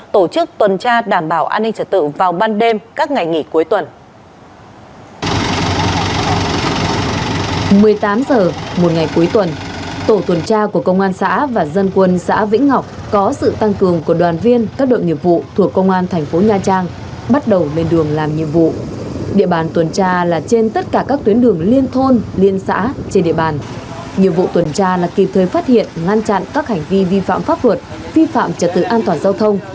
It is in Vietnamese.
tổ chức tuần tra đảm bảo an ninh trật tự vào ban đêm các ngày nghỉ cuối tuần